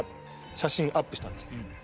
写真アップしたんですね。